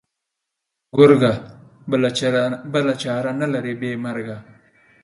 گرگه! بله چاره نه لري بې مرگه.